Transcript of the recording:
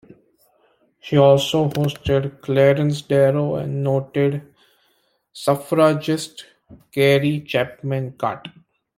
She also hosted Clarence Darrow and noted suffragist Carrie Chapman Catt.